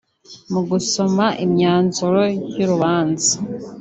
Mu gusoma imyanzuro y’Urubanza